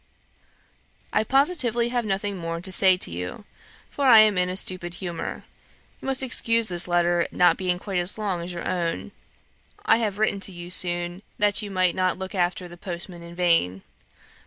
"I positively have nothing more to say to you, for I am in a stupid humour. You must excuse this letter not being quite as long as your own. I have written to you soon, that you might not look after the postman in vain.